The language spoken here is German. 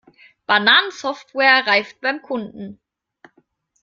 Bananensoftware reift beim Kunden.